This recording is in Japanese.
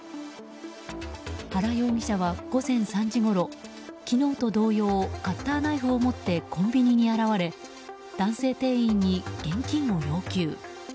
原容疑者は午前３時ごろ昨日と同様カッターナイフをもってコンビニに現れ男性店員に現金を要求。